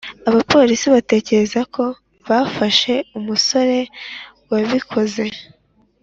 abapolisi batekereza ko bafashe umusore wabikoze.